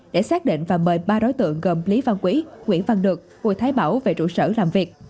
để xác định và mời ba đối tượng gồm lý văn quý nguyễn văn được bùi thái bảo về trụ sở làm việc